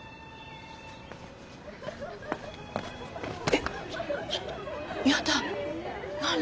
えっ。